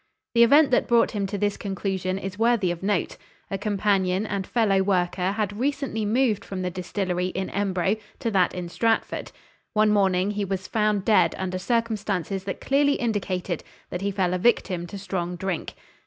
The event that brought him to this conclusion is worthy of note. A companion and fellow worker had recently moved from the distillery in Embro to that in Stratford. One morning he was found dead under circumstances that clearly indicated that he fell a victim to strong drink.